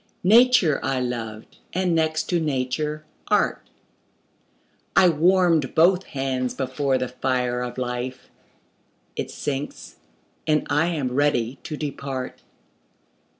Nature I loved and, next to Nature, Art: I warm'd both hands before the fire of life; It sinks, and I am ready to depart.